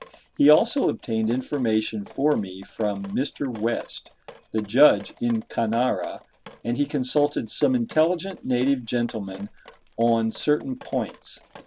He also obtained information for me from Mr. West, the Judge in Canara, and he consulted some intelligent native gentlemen on certain points.